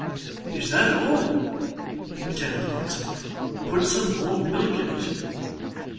'Is that all?' returned the locksmith. 'Put some more milk in it.